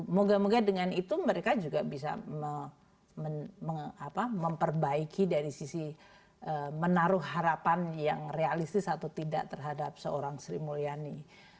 moga moga dengan itu mereka juga bisa memperbaiki dari sisi menaruh harapan yang realistis atau tidak terhadap seorang sri mulyani